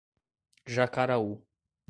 Jacaraú